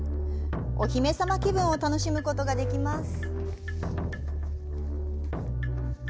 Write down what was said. お姫様気分を楽しむことができます。